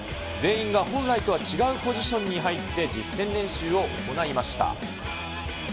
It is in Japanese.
全員が本来とは違うポジションに入って実践練習を行いました。